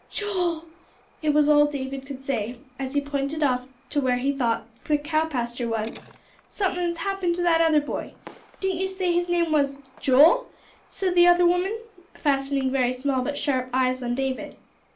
"Joel." It was all David could say, as he pointed off where he thought the cow pasture was. "Somethin's happened to that other boy. Didn't you say his name was Joel?" said the other woman, fastening very small but sharp eyes on David.